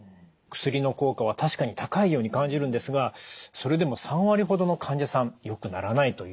薬の効果は確かに高いように感じるんですがそれでも３割ほどの患者さんよくならないということでしたね。